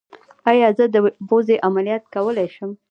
ایا زه د پوزې عملیات کولی شم؟